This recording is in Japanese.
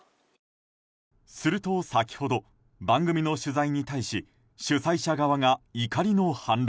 すると先ほど、番組の取材に対し主催者側が怒りの反論。